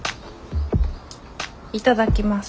いただきます。